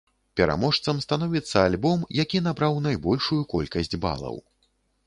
Пераможцам становіцца альбом, які набраў найбольшую колькасць балаў.